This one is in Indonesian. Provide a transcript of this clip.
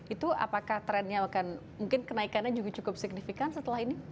itu apakah trennya akan mungkin kenaikannya juga cukup signifikan setelah ini